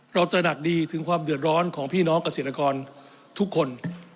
ตระหนักดีถึงความเดือดร้อนของพี่น้องเกษตรกรทุกคน